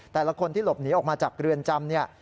แต่ละคนที่หลบหนีออกมาจากเรือนจำเนี่ย